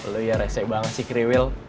lu ya rese banget sih kriwil